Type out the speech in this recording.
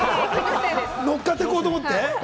乗っかっていこうと思って？